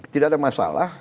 tidak ada masalah